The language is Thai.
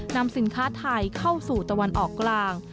นำสินค้าไทยเข้าสู่ตะวันออกกลาง